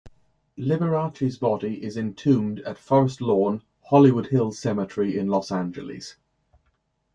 Liberace's body is entombed at Forest Lawn, Hollywood Hills Cemetery in Los Angeles.